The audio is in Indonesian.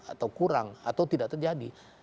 atau kurang atau tidak terjadi